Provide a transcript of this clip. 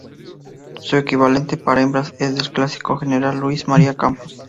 Su equivalente para hembras es el Clásico General Luis María Campos.